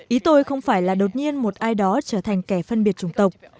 ý tôi không phải là đột nhiên một ai đó trở thành kẻ phân biệt chủng tộc